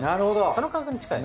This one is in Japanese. その感覚に近い。